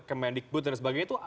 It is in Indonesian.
kemendikbud dan sebagainya itu